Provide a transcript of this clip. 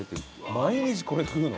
毎日これ食うの？